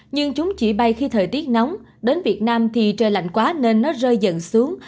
nhưng chúng chỉ bay khi thời tiết nóng đến việt nam thì trời lạnh quá nên nó rơi dần xuống